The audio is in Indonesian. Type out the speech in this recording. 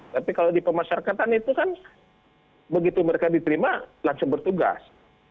tapi kalau di pemasarakatan itu kan begitu mereka diterima langsung bertugas